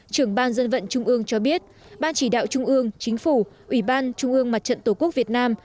trưởng ban dân vận trung ương cho biết ban chỉ đạo trung ương chính phủ ủy ban trung ương mặt trận tổ quốc việt nam